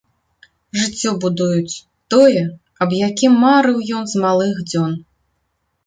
Жыццё будуюць, тое, аб якім марыў ён з малых дзён.